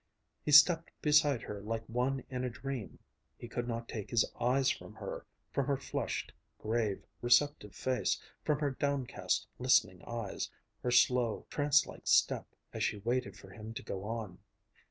He stepped beside her like one in a dream. He could not take his eyes from her, from her flushed, grave, receptive face, from her downcast, listening eyes, her slow, trance like step as she waited for him to go on.